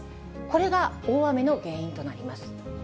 これが大雨の原因となります。